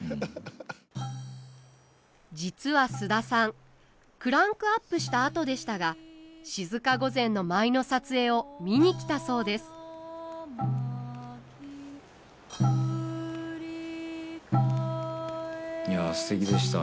実は菅田さんクランクアップしたあとでしたが静御前の舞の撮影を見に来たそうですくり返しいやすてきでした。